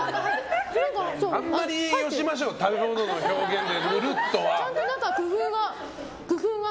あんまりよしましょう食べ物の表現でちゃんと中、工夫が。